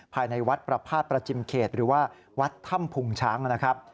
ภายในวัดประพาทประจิมเขตหรือว่าวัดถ้ำพุงช้างนะครับ